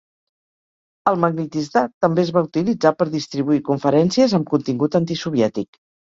El Magnitizdat també es va utilitzar per distribuir conferències amb contingut antisoviètic.